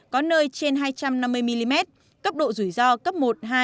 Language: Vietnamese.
có nơi trên hai trăm năm mươi mm cấp độ rủi ro cấp một hai